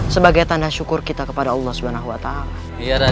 sebagai tanda syukur kita kepada allah subhanahu wa ta'ala